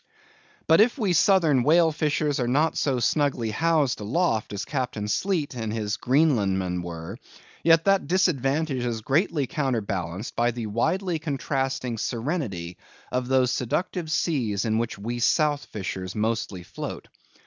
But if we Southern whale fishers are not so snugly housed aloft as Captain Sleet and his Greenlandmen were; yet that disadvantage is greatly counter balanced by the widely contrasting serenity of those seductive seas in which we South fishers mostly float.